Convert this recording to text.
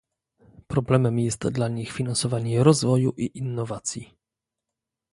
Problemem jest dla nich finansowanie rozwoju i innowacji